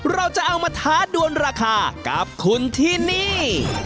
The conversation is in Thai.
เราจะเอามาท้าดวนราคากับคุณที่นี่